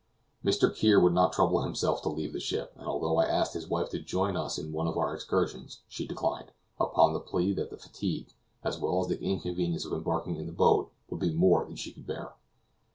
Mr. Kear would not trouble himself to leave the ship; and although I asked his wife to join us in one of our excursions she declined, upon the plea that the fatigue, as well as the inconvenience of embarking in the boat, would be more than she could bear.